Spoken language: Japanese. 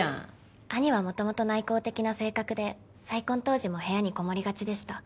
義兄は元々内向的な性格で再婚当時も部屋にこもりがちでした。